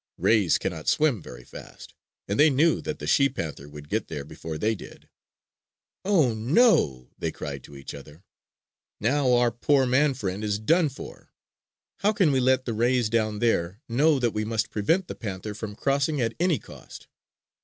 Rays cannot swim very fast, and they knew that the she panther would get there before they did. "Oh, oh!" they cried to each other. "Now our poor man friend is done for. How can we let the rays down there know we must prevent the panther from crossing at any cost?"